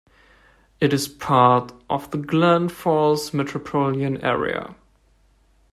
It is part of the Glens Falls metropolitan area.